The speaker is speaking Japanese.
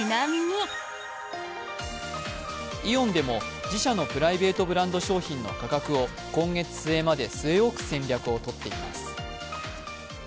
イオンでも自社のプライベートブランド商品の価格を今月末まで据え置く戦略をとっています。